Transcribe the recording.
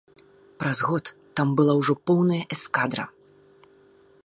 Праз год там была ўжо поўная эскадра.